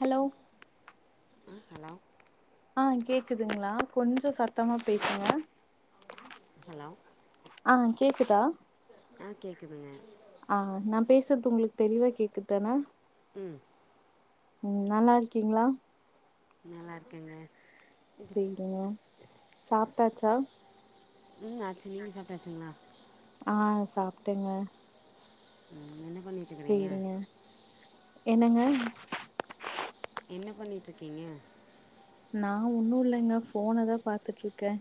hello ஆ hello ஆ கேக்குதுங்களா கொஞ்சோ சத்தமா பேசுங்க ஹலோ ஆ கேக்குதா ஆ கேக்குதுங்க ஆ நா பேசுறது உங்களுக் தெளிவா கேக்குதான உம் உம் நல்லாருக்கீங்ளா நல்லாருக்கங்க செய்ட சாப்டாச்சா ம் ஆச்சி நீங்க சாப்டாச்சிங்ளா ஆ சாப்டேங்க உம் என்ன பண்ணிட்டுக்குறே சேரிங்க என்னங்க என்ன பண்ணீட்ருக்கிங்க நா ஒன்னு இல்லைங்க ஃபோனதா பாத்துட்ருக்கே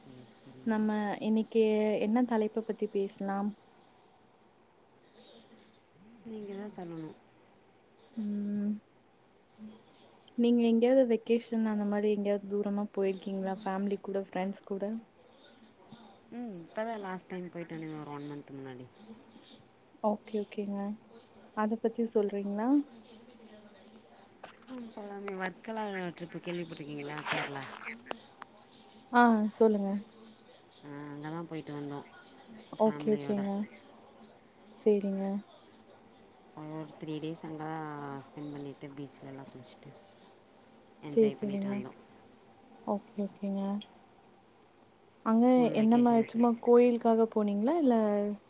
சேர் சே நம்ம இன்னைக்கி என்ன தலைப்ப பத்தி பேசலாம் நீங்கதா சொல்லணு உம் நீங்க எங்கயாவது வெக்கேஷன் அந்த மாரி எங்கயாவது தூரமாக போயிருக்கீங்ளா ஃபேமிலி கூட ஃப்ரெண்ட்ஸ் கூட ம் இப்பதா லாஸ்ட் டைம் போய்ட்டு வந்தங்க ஒரு ஒன் மன்த் முன்னாடி ஓகே ஓகேங்க அத பத்தி சொல்றிங்ளா ம் சொல்லாமே வர்க்கலா ட்ரிப்பு கேள்விப்பட்ருக்கிங்ளா கேரளா ஆ சொல்லுங்க ஆ அங்கதா போயிட்டு வந்தோ ஓகே ஓகேங்க சேரிங்க ஒரு த்ரீ டேஸ் அங்க ஸ்பென்ட் பண்ணிட்டு பீச்ல எல்லா குளிச்சிட்டு சேரி செரிங்க ஓகே ஓகேங்க அங்க ஸ்கூல் என்னம்ம வெக்கேஷனுக்கு சும்மா கோயிலுக்காக போனிங்ளா இல்ல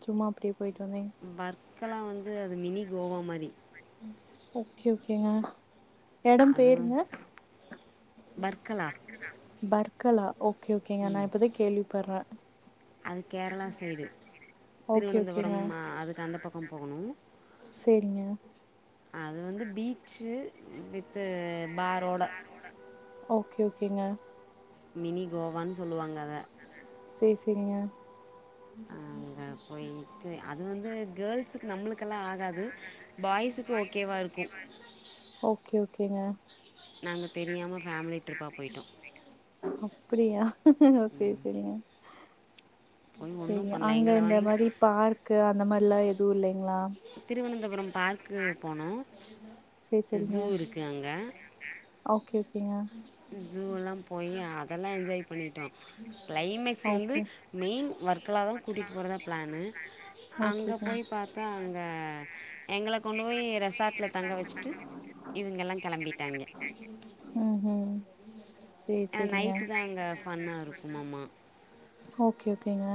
சும்மா அப்படியே போயிட்டு வந்திங் வர்க்கெலா வந்து அது மினி கோவா மாரி ஓகே ஓகேங்க எடம் அதுதா பேருங்க வர்க்கலா பர்க்கலா ஓகே ஓகேங்க நா இப்பதா கேள்விப்படற அது கேரளா சைடு ஓகே ஓகேங்க திருவனந்தபுரம் அதுக்கு அந்த பக்கம் போகணு சேரிங்க அது வந்து பீச்சு வித்து பாரோட ஓகே ஓகேங்க மினி கோவான் சொல்லுவாங்க அத சேர் செரிங்க அங்க போயிட்டு அது வந்து கேர்ள்ஸுக்கு நம்ளுக்கெல்லா ஆகாது பாய்ஸுக் ஓகே ஓகேங்க நாங்க தெரியாம ஃபேமிலி ட்ரிப்பா போய்ட்டோ அப்படியா சேர் செரிங்க போய் சேரி ஒன்றும் பண்ணல அங்க எங்களை இந்த வந்து மாரி பார்க்கு அந்த மாரிலா எதுவு இல்லைங்ளா திருவனந்தபுரம் பார்க்கு போனோ சேரி சேரிங்க ஜூ இருக்கு அங்க ஓகே ஓகேங்க ஜூ எல்லா போய் அதெல்லா என்ஜாய் பண்ணிட்டோ கிளைமேட் ஸ் வந்து ஓகே மெயின் வர்க்கலாதா கூட்டிட்டு போறதா பிளானு அங்க ஓகேங்க போய் பாத்தா அங்க எங்கள கொண்டு போய் ரெசார்ட்ல தங்க வெச்சுட்டு இவங்க எல்லா கெளம்பிட்டாங்க ம் ம் சேரி ஏனா சேரிங்க நைட்டுதா அங்க ஃபன்னா இருக்குமாமா ஓகே ஓகேங்க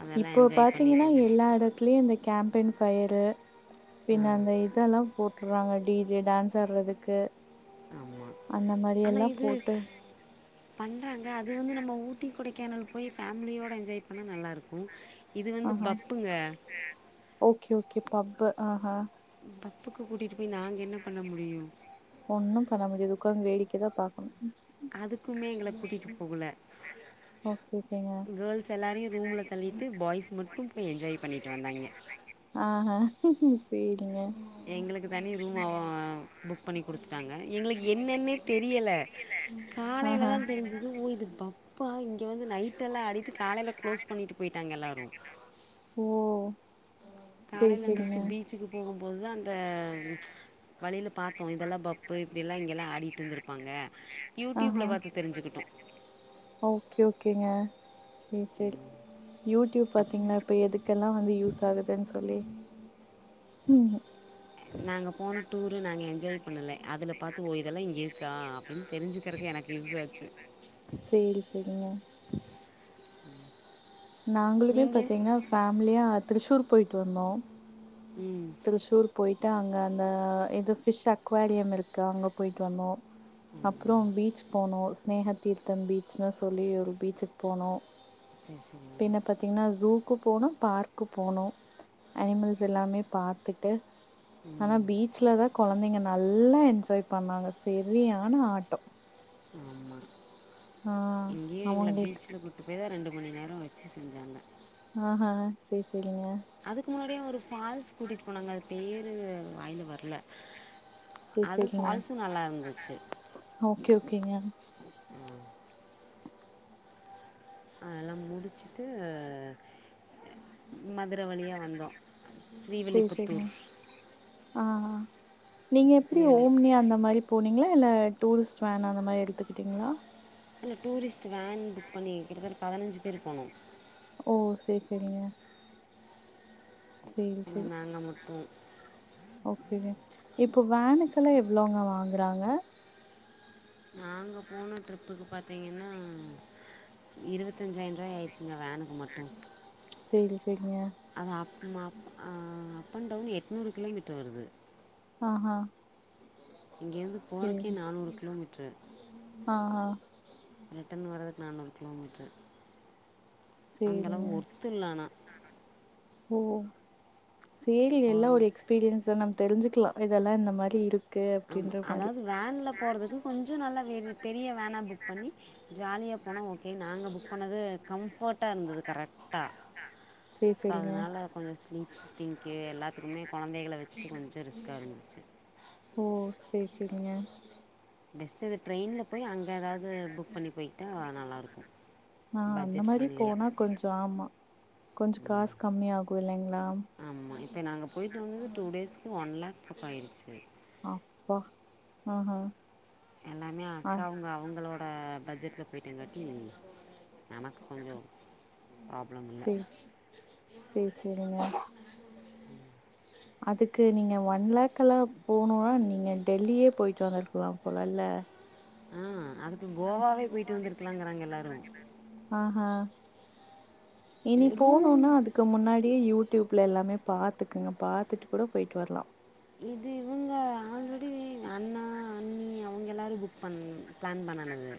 அதெல்லாம் இப்போ என்ஜாய் பண்ணிட்டு பாத்திங்கன்னா வந்தேன் எல்லா எடத்துலயு இந்த கேம்பன் ஃபயரு பின்ன ஆ அந்த இதெல்லா போட் றாங்க டி ஜே டான்ஸ் ஆடறதுக்கு ஆனா இது போட்டு பண்றாங்க அது வந்து நம்ம ஊட்டி கொடைக்கானல் போய் ஃபேமிலியோட என்ஜாய் பண்ண நல்லா இருக்கு இது வந்து ஆஹா பப்புங்க ஓகே ஓகே பப்பு ஆ ஹ பப்புக்கு கூட்டிட்டு போய் நாங்க என்ன பண்ண முடியு ஒண்ணும் பண்ண முடியாது உக்காந்து வேடிக்கதா பாக்கணு அதுக்குமே எங்கள கூட்டிட்டு போகல ஓகே ஓகேங்க கேர்ள்ஸ் எல்லாரையு ரூம்ல தள்ளிட்டு பாய்ஸ் மட்டும் போய் என்ஜாய் பண்ணிட்டு வந்தாங்க ஆ ஆ சேரிங்க எங்களுக்கு தனி ரூம் அவ புக் பண்ணி கொடுத்துட்டாங்க எங்களுக்கு என்னென்னே தெரியல காலையில ஆஹா தா தெரிஞ்சது ஓ இது பப் பா இங்கே வந்து நைட்டெல்லா ஆடிட்டு காலையில க்ளோஸ் பண்ணிட்டு போயிட்டாங்க எல்லோரு ஓ சேரி காலையில சேரிங்க எந்துருச்சு பீச்சுக்கு போகும்போதுதா அந்த வழில பாத்தோ இதெல்லா பப்பு இப்டில்லா இங்கெல்லா ஆடிட்ருந்திருப்பாங்க ஆஹ ஓகே ஓகேங்க சேர் செரி யூடியூப் பாத்தீங்களா இப்போ எதுக்கெல்லா வந்து யூஸ் ஆகுதுன்னு சொல்லி ம் நாங்க போன டூரு நாங்க எஜ்ஜாய் பண்ணல அதுல பாத்து ஓ இதெல்லா இருக்கா அப்டின் தெரிஞ்சுக்கறக்கு எனக்கு யூஸ் ஆச்சு சேரி சேரிங்க நாங்களுமே நீங்கள் பாத்தீங்னா ஃபேம்லியா த்ரிச்சூர் போய்ட்டு வந்தோ ம் திர்சூர் போயிட்டு அங்க அந்த இது ஃபிஷ் அக்வாடியம் இருக்கு அங்க போயிட்டு வந்தோ அப்றோ பீச் போனோ ஸ்னேக தீர்த்தம் பீச்ன்னு சொல்லி ஒரு பீச்சுக்கு போனோ சரி சரிங்க பின பத் பாத்தீங்னா ஜூக்கு போனோ பார்க்கு போனோ அனிமல்ஸ் எல்லாமே பாத்துட்டு ஆனா பீச்லதா கொழந்தைங்க நல்லா எஜ்ஜாய் பண்ணாங்க செரியான ஆட்டோ ஆமா ஆ இங்கேயு எங்கல அவங்களுக்கு பீச்சல கூ அப்டே தா ரெண்டு மணி நேரொ வச்சு செஞ்சாங்க ஆஹா சேர் செரிங்க அதுக்கு முன்னாடியு ஒரு ஃபால்ஸ் கூட்டிட்டு போனாங்க அது பேரு வாய்ல வர்ல சேரி அது சேரிங்க ஃபால்ஸ் நல்லா இருந்துச்சு ஓகே ஓகேங்க அதெல்லா முடிச்சிட்டு மதுர வழியா வந்தோ சேர் செரிங்க ஆ நீங்க எப்டி ஸ்ரீவில்லி ஓம்னியா அந்த மாரி போனீங்ளா இல்ல டூரிஸ்ட் வேன் அந்த மாரி எடுத்துக்கிட்டிங்ளா இல்ல டூரிஸ்ட் வேன் புக் பண்ணி கிட்டத்தட்ட பதினஞ்சு பேர் போனோ ஓ சேர் செரிங்க சேரி சேரி ஆனால் நாங்கள் மட்டும் ஓகே இப்போ வேனுக்கெல்லா எவ்ளோங்க வாங்குறாங்க நாங்க போன ட்ரிப்புக்கு பாத்தீங்கன்னா இருவத்தஞ்சாயின்ருவா ஆயிச்சிங்க வேனுக்கு மட்டு சேரி செரிங்க அது அப் மப் ஆ அப் அண்ட் டவுன் எட்நூறு கிலோமீட்டர் வருது ஆஹ இங்கேர்ந்து போரக்கே நானூறு கிலோமீட்ரு ஆஹா ரிட்டர்ன் வரதுக்கு நானூறு கிலோமீட்டரு சேரிங்க அந்தளவு ஒர்த்துல்ல ஆனா ஓ சேரி எல்லா ஒரு எக்ஸ்பீரியன்ஸ் நம்ம தெரிஞ்சுக்கலா இதெல்லா இந்த மாரி இருக் ஆமா அதாவது வேன்ல போறதுக்கு கொஞ்ச நல்லா வே பெரிய வேனா புக் பண்ணி ஜாலியா போனோ ஓகே நாங்க புக் பண்ணது கம்ஃபர்ட்டா இருந்தது கரெட்டா சேரி சோ சேரிங்க அதனால கொஞ்ச ஸ்லீப்பிங்க்கு எல்லாத்துக்குமே கொழந்தகள வச்சுட்டு கொஞ்ச ரிஸ்க்கா இருந்துச்சு ஓ சேர் செரிங்க பெஸ்ட்டு இது ட்ரெயின்ல போய் அங்க எதாவது புக் பண்ணி போயிக்ட்டா நல்லாருக்கு ஆ அந்த மாரி போனா கொஞ்சோ ஆமா கொஞ்ச காச் கம்மி ஆகு இல்லைங்ளா ஆமா இப்ப நாங்க போயிட்டு வந்தது டூ டேஸ்க்கு ஒன் லக் பக்க ஆயிர்ச்சு அப்பா எல்லாமே ஆ அக்காவுங்க அவுங்களோட பட்ஜெட்ல போயிட்டங்காட்டி எனக்கு கொஞ்ச ப்ராப்ளம் இல்ல சேர் சேரிங்க அதுக்கு நீங்க ஒன் லேக்கலா போணுவா நீங்க டெல்லியே போயிட்டு வந்துருக்கலாம் போல ல ஆ அதுக்கு கோவாவே போய்டு வந்துருக்கிலாங்கறாங்க எல்லாரு ஆஹா இனி ரூம் போனுனா அதுக் கு முன்னாடியே யூடியூப்ல எல்லாமே பாத்துகுங்க பாத்துட்டு கூட போய்ட்டு வர்லா இது இவங்க ஆல்ரெடி அண்ணா அண்ணி நீ அவுங்க எல்லாரு புக் பண் பிளான் பண்ணனது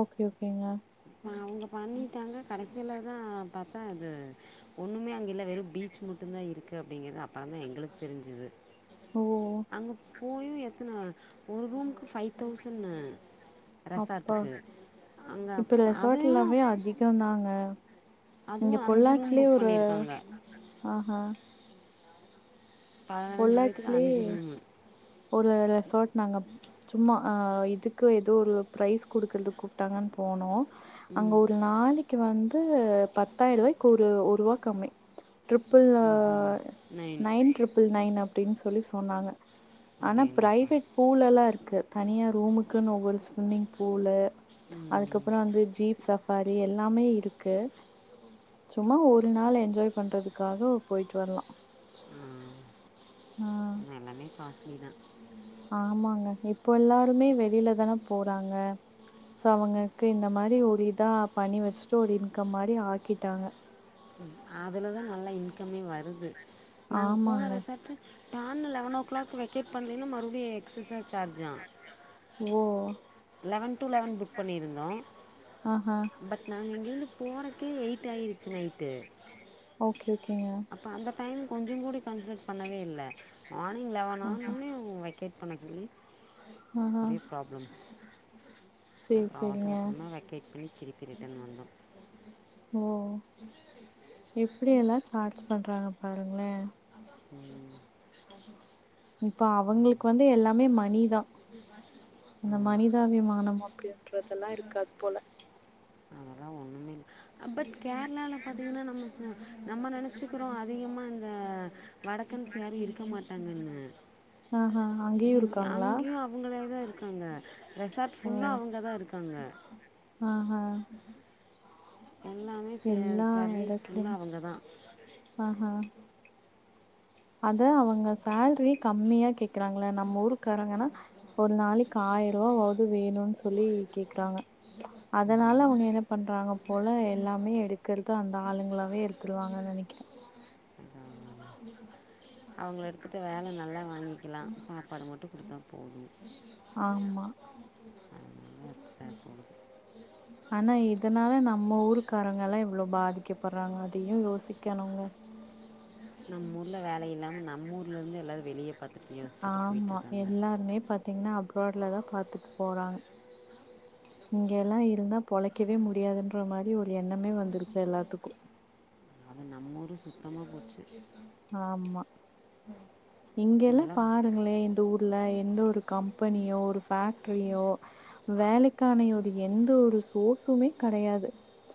ஓகே ஓகேங்க அவுங்க பண்ணிடாங்க கடைசிலதா பாத்தா அது ஒண்ணுமே அங்க இல்ல வெறும் பீச் மட்டுந்தா இருக்கு அப்பிடிங்கிறா அப்ப அதா எங்களுக்கு தெரிஞ்சுது ஓ அங்க போயு எத்தன ஒரு ரூமுக்கு ஃபைவ் தௌசண்ணு ரெஷாட்டுக்கு அங்க இந்த ரெஷாட் எல்லாமே அதிகோதாங்க இங்க அதுவும் அஞ்சு ரூம் பொள்ளாச்சிலே புக் ஒரு பண்ணியிருக்காங்க ஆஹா பதனஞ்சு பேத்துக்கு பொள்ளாச்சிலயே அஞ்சு ரூமு ஒரு ரெஷார்ட் நாங்க சும்மா அ இதுக்கு ஏதோ ஒரு ப்ரைஸ் குடுக்கற்துகு தங்க போனோ அங்க ஒரு நாளிக் க்கி வந்து பத்தாய்ர்வாய்கு ஒரு ஒரூவா கம்மி ட்ரிப்புள் அ நைன் ட்ரிப்புள் நைன் அப்டின் சொல்லி சொன்னாங்க ஆனா அப்படிங்கப்பா ப்ரைவேட் பூலெல்லா இருக்கு தனியா ரூமுக்குன்னு ஒவ்வொரு ஸ்விம்மிங் பூலு அதுக்கப்ற வந்து சீப் சஃபாரி எல்லாமே இருக்கு சும்மா ஒரு நாள் என்ஜாய் பண்றதுக்காக போயிட்டு வர்லா அ அனா எல்லாமே காஸ்ட்லி தா ஆமாங்க இப்போ எல்லாருமே வெளில தான போறாங்க சோ அவங்களுக்கு இந்த மாரி ஒரு இதா பண்ணி வச்சுட்டு ஒரு இன்கம் மாரி ஆக்கிட்டாங்க அதுலதா நல்லா இன்கமே வருது நாங்க போன ஆமாங்க ரிசார்ட்டு டான்னு லெவன் ஓ கிளாக் வெக்கேட் பண்லேனா மறுவுடி எக்சஸ்ஸா சார்ஜா ஓ லெவன் டூ லெவன் புக் பண்ணியிருந்தோ ஆஆ பட் நாங்க இங்கிருந்து போறக்கே எயிட் ஆயிருச்சி நைட்டு ஓகே ஓகேங்க இப்ப அந்த டைம் கொஞ்ச கூட கன்ஸ்டர் பண்ணவே இல்ல மார்னிங் லெவன் ஆஹா ஆனோனே வை கேட் பண்ண சொல்லி ஆஹா ஒரே ப்ராப்ளம்ஸ் சேரி அப்ற அவசர சேரிங்க அவசரமா வெக்கேட் பண்ணி திருப்பி ரிட்டன் வந்தோ ஓ எப்டியெல்லா சார்ஜ் பண்றாங்க பாருங்களே உம் இப்ப அவங்களுக்கு வந்து எல்லாமே மணிதா அந்த ஆமாம் மனிதாபிமானம் அப்டின்றதுலா இருக்காது போல அதெல்லாம் ஒன்றுமே இல்லை பட் கேரளால பாத்தீங்கன்னா நம்ம நம்ம நனச்சிக்கறோ அதிகமா இந்த வடக்கன்னஸ் யாரு இருக்க மாட்டாங்கன்னு ஆ ஆ அங்கயு இங்க- இருக்காங்களா அங்கேயும் அவங்களே தா இருக்காங்க ரெஸாட் ஃபுல்லா அவங்க தா இருக்காங்க ஆ ஹா எல்லாமே ஸே எல்லா ஸர்வீஸ்ஃபுல்லா அவங்க தா ஆ ஹ அத அவங்க ஸேல்ரி கம்மியா கேக்குறாங்கள நம்ம ஊருக்காரங்கனா ஒரு நாளைக்கு ஆயிர ரூவாவாது வேணுனு சொல்லி கேக்குறாங்க அதனால அவங்க என்ன பண்றாங்க போல எல்லாமே எடுக்கறது அந்த ஆளுங்களாவே இருக் [unintelligible] அவங்கள எடுத்துட்டு வேல நல்லா வாங்கிக்கலா சாப்பாடு மட்டு குடுத்தா போது ஆ மா அ [unintelligible] ஆனா இதனால நம்ம ஊருக்காரங்கலா எவ்ளோ பாதிக்கப்படுறாங்க அதயு யோசிக்கணுங்க நம்ம ஊர்ல வேல இல்லாம நம்ம ஊர்ல இருந்து எல்லாரு வெளிய பாத் ஆமா எல்லாருமே பாத்தீங்கன்னா அப்ரட்லதா பாத்துட்டு போறாங்க இங்க எல்லா இருந்தா பொழைக்கவே முடியாதுன்ற மாரி ஒரு எண்ணமே வந்துருச்சு எல்லாத்துக்கு அது நம்மோரு சுத்தமா போச்சு ஆமா இங்கலா இங்கெல்லாம் பாருங்களே இந்த ஊர் ல்ல எந்த ஒரு கம்பெனியோ ஒரு பேக்ட்ரியோ வேலைக்கானயோரு எந்த ஒரு ஸோஸுமே கடையாது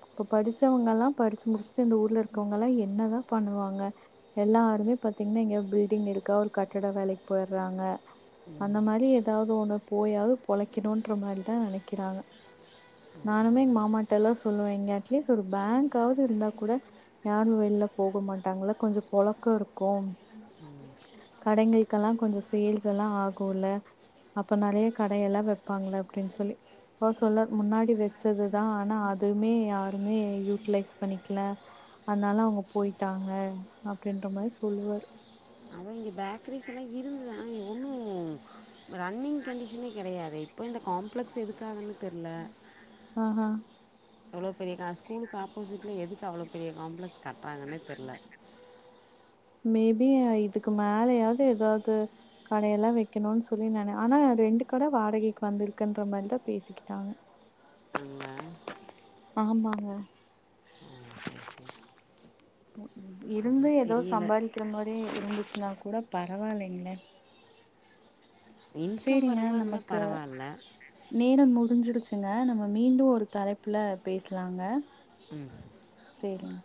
இப்ப படிச்சவங்கல்லா படிச்சு முடிச்சுட்டு இந்த ஊர்ல இருக்கவங்ல்லா என்னதா பண்ணுவாங்க எல்லாருமே பாத்தீங்கன்னா எங்கயோ பில்டிங் இருக்கா ஒரு கட்டட வேலைக்கு போயிடுறாங்க அந்த மாரி ஏதாவது ஒண்ணு போயாவது பொழைக்கணும்ன்ற மாரிதா நனைக்கிறாங்க நானுமே எங்க மாமாட்டல்லா சொல்லுவே இங்க அட்லீஸ்ட் ஒரு பேங்க்காவது இருந்தா கூட யாரு வெல்ல போக மாட்டாங்கள கொஞ்ச பொழக்கோ இருக்கு கடைகளுக்குலா கொஞ்ச சேல்ஸ் எல்லா ஆகுல அப்ப நறையா கடையெல்லா வெப்பாங்கள அப்டின்னு சொல்லி அப்ப சொல்ல முன்னாடி வெச்சதுதா ஆனா அதுமே யாருமே யூட்டிலைஸ் பண்ணிக்கல அதனால அவங்க போயிட்டாங்க அப்படின்ற மாரி சொல்லுவாரு அதுவும் இங்க பேக்கரிஸல்லா இருந்ததா ஆ ஒன்னு ரன்னிங் கண்டிஷனே கிடையாதே இப்போ இந்த காம்ப்ளெக்ஸ் எதுக்காகன்னு தெரில ஆ ஹா எவ்வளோ பெரிய கா ஆ ஸ்கூலுக்கு ஆப்போசிட்ல எதுக்கு அவ்வளோ பெரிய காம்ப்ளெக்ஸ் கட்டுறாங்கன்னே தெரியல மேபி இதுக்கு மேலயாது ஏதாது கடையெல்லா வெக்கணும்னு சொல்லி நானு ஆனா ரெண்டு கட வாடகைக்கு வந்திருக்குன்ற மாரி தா பேசிக் ட்டா ஆங்க ஆமாங்க ஓ சரி சரி இருந்தே அதுவும் ஏதோ தெரியல சம்பாதி க்கிற மாரி இருந்துச்சுனா கூட பரவாயில்லைங்களே இன்கம் வர ஸேரிங்க மாதிரி இருந்தால் நமக்கு பரவாயில்ல நேரம் முடிஞ்சிருச்சுங்க நம்ம மீண்டு ஒரு தலைப்புல பேஸலாங்க ம் சேரிங்க